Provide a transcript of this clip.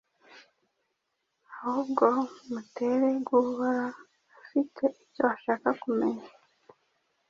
ahubwo mutere guhora afite icyo ashaka kumenya